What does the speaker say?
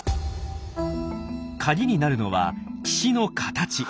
鍵になるのは岸の形。